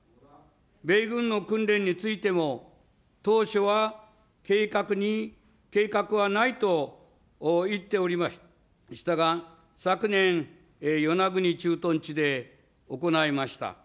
米軍の訓練についても、当初は計画に、計画はないと言っておりましたが、昨年、与那国駐屯地で行いました。